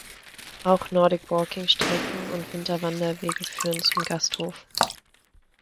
Auch Nordic Walking-Strecken und Winterwanderwege führen zum Gasthof.